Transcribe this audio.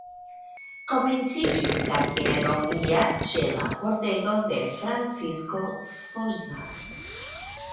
Komenciĝis kariero lia ĉe la kortego de Francisko Sforza.